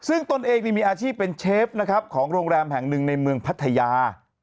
ซึ่งตนเองมีอาชีพเป็นเชฟนะครับของโรงแรมแห่งหนึ่งในเมืองพัทยา